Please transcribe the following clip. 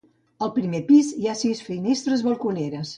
Al primer pis, hi ha sis finestres balconeres.